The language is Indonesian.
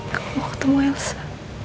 aku mau ketemu elsa